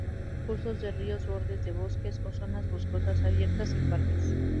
Vive en cursos de ríos, bordes de bosque o zonas boscosas abiertas y parques.